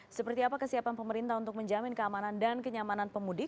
seperti apa kesiapan pemerintah untuk menjamin keamanan dan kenyamanan pemudik